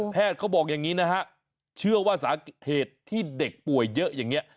เขาบอกอย่างนี้นะฮะเชื่อว่าสาเหตุที่เด็กป่วยเยอะอย่างนี้